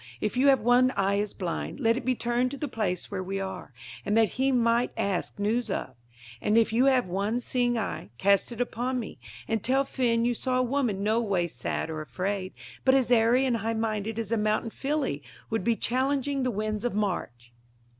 If you have one eye is blind, let it be turned to the place where we are, and that he might ask news of. And if you have one seeing eye, cast it upon me, and tell Finn you saw a woman no way sad or afraid, but as airy and high minded as a mountain filly would be challenging the winds of March!